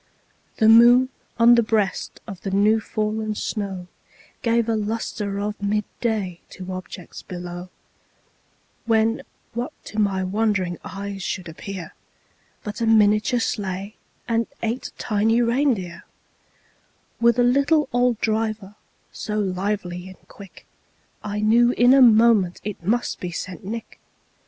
The moon on the breast of the new fallen snow Gave a luster of mid day to objects below, When, what to my wondering eyes should appear, But a miniature sleigh, and eight tiny reindeer, With a little old driver, so lively and quick, I knew in a moment it must be St. Nick.